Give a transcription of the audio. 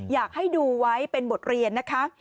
อยากให้ดูไว้เป็นบทเรียนนะคะ